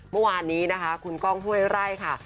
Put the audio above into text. เมื่อวานนี้นะคะคุณก้องห้วยไร่ค่ะ